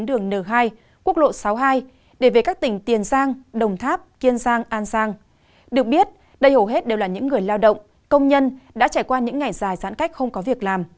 được biết đây hầu hết đều là những người lao động công nhân đã trải qua những ngày dài giãn cách không có việc làm